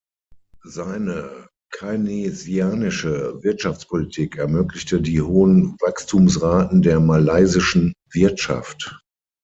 Seine keynesianische Wirtschaftspolitik ermöglichte die hohen Wachstumsraten der malaysischen Wirtschaft.